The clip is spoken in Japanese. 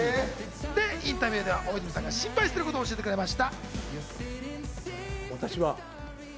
インタビューでは大泉さんが心配していることを教えてくれました。